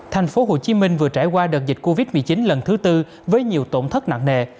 thành phố hồ chí minh vừa trải qua đợt dịch covid một mươi chín lần thứ tư với nhiều tổn thất nặng nề